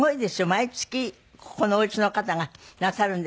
毎月ここのお家の方がなさるんですから。